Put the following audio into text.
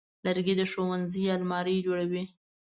لرګی د ښوونځي المارۍ جوړوي.